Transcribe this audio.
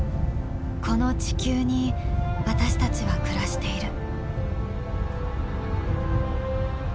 この地球に私たちは暮らしている。